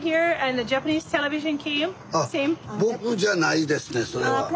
僕じゃないですねそれは。